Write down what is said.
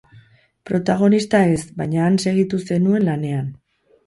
Protagonista ez, baina han segitu zenuen lanean.